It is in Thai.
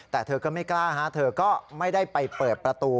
แต่เธอก็ไม่กล้าฮะเธอก็ไม่ได้ไปเปิดประตู